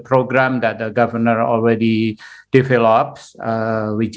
program yang sudah dikembangkan oleh pemerintah